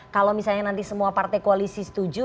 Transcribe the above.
kalau misalnya nanti semua partai koalisi setuju